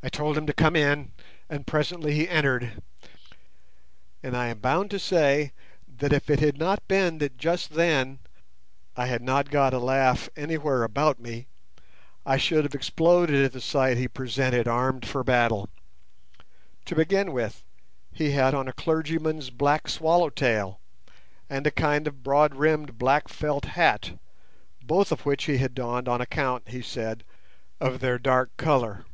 I told him to come in, and presently he entered, and I am bound to say that if it had not been that just then I had not got a laugh anywhere about me, I should have exploded at the sight he presented armed for battle. To begin with, he had on a clergyman's black swallow tail and a kind of broad rimmed black felt hat, both of which he had donned on account, he said, of their dark colour.